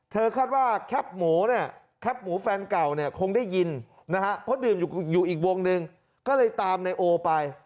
คาดว่าแคปหมูเนี่ยแคปหมูแฟนเก่าเนี่ยคงได้ยินนะฮะเพราะดื่มอยู่อีกวงหนึ่งก็เลยตามในโอไป